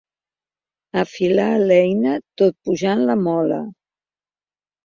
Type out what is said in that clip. Afilar l'eina tot pujant la Mola.